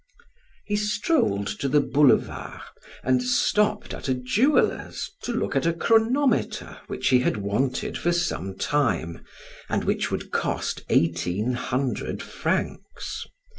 He strolled to the boulevard and stopped at a jeweler's to look at a chronometer he had wanted for some time and which would cost eighteen hundred francs.